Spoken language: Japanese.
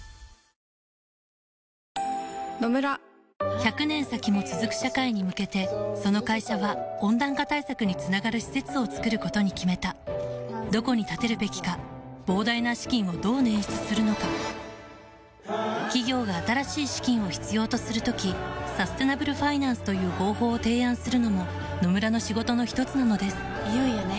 １００年先も続く社会に向けてその会社は温暖化対策につながる施設を作ることに決めたどこに建てるべきか膨大な資金をどう捻出するのか企業が新しい資金を必要とする時サステナブルファイナンスという方法を提案するのも野村の仕事のひとつなのですいよいよね。